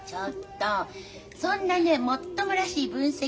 そんなねもっともらしい分析はいらないの！